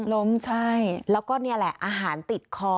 ใช่แล้วก็นี่แหละอาหารติดคอ